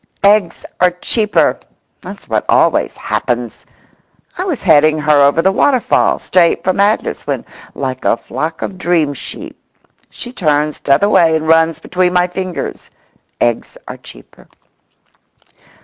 "Eggs are cheaper!" That's what always happens! I was heading her over the waterfall, straight for madness, when, like a flock of dream sheep, she turns t'other way and runs between my fingers. Eggs are cheaper.